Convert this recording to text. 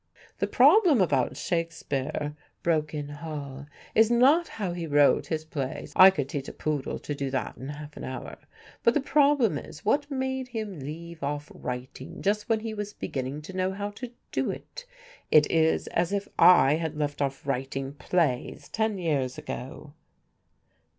"The problem about Shakespeare," broke in Hall, "is not how he wrote his plays. I could teach a poodle to do that in half an hour. But the problem is What made him leave off writing just when he was beginning to know how to do it? It is as if I had left off writing plays ten years ago."